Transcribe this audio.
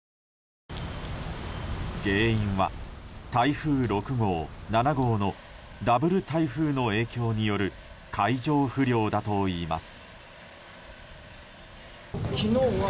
原因は台風６号、７号のダブル台風の影響による海上不良だといいます。